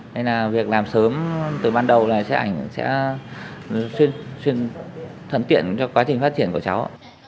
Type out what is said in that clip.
vì việc làm sớm từ ban đầu sẽ thuần tiện cho quá trình phát triển của cháu